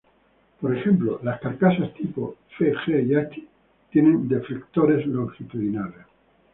Por ejemplo, las carcasas tipo F, G y H tienen deflectores longitudinales.